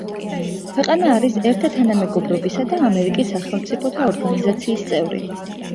ქვეყანა არის ერთა თანამეგობრობისა და ამერიკის სახელმწიფოთა ორგანიზაციის წევრი.